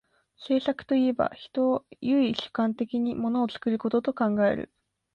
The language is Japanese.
製作といえば、人は唯主観的に物を作ることと考える。